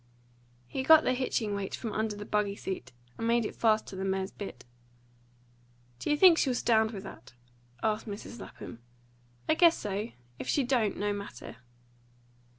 He got the hitching weight from under the buggy seat and made it fast to the mare's bit. "Do you think she'll stand with that?" asked Mrs. Lapham. "I guess so. If she don't, no matter."